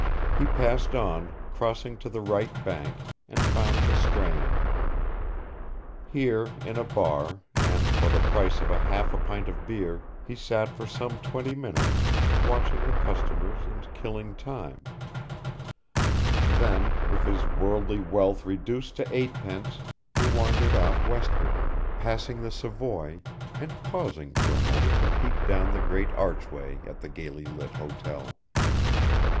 He passed on, crossing to the right bank, and found the Strand. Here in a bar, and for the price of half a pint of beer, he sat for some twenty minutes watching the customers and killing Time, then, with his worldly wealth reduced to eightpence, he wandered off westward, passing the Savoy, and pausing for a moment to peep down the great archway at the gaily lit hotel.